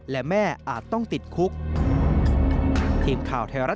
และแม่อาจต้องติดคุก